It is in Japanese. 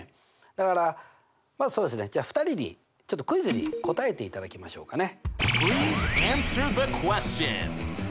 だからまずはそうですねじゃあ２人にちょっとクイズに答えていただきましょうかね。